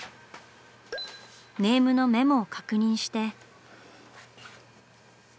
ネームのメモを確認して。